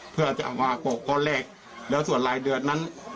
เพื่อจะเอามาปกโกะเล็กแล้วส่วนรายเดือนนั้น